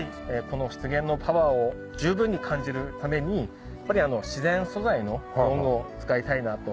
この湿原のパワーを十分に感じるためにやっぱり自然素材の道具を使いたいなと。